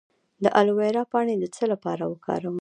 د الوویرا پاڼې د څه لپاره وکاروم؟